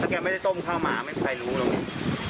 ถ้าแกไม่ได้ต้มข้าวหมามันใครรู้ล่ะ